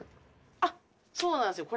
あっそうなんですよ。